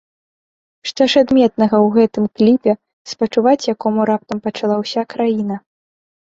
Што ж адметнага ў гэтым кліпе, спачуваць якому раптам пачала ўся краіна?